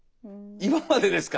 今までですか？